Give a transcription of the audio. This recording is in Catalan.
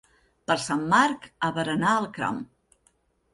Per Sant Marc, a berenar al camp.